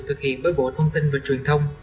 thực hiện bởi bộ thông tin và truyền thông